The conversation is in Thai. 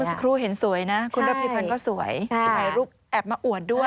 สักครู่เห็นสวยนะคุณระพีพันธ์ก็สวยถ่ายรูปแอบมาอวดด้วย